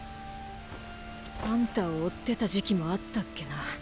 あんたを追ってた時期もあったっけな。